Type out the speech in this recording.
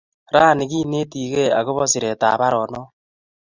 Rani kenetikey akopo siret ap paronok.